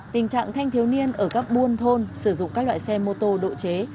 tình trạng thanh thiếu niên ở các buôn thôn sử dụng các loại xe mô tô độ chế